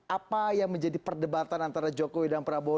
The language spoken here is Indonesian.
apa yang menjadi perdebatan antara jokowi dan prabowo